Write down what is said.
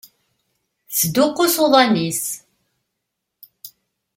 Tesduqqus uḍan-is.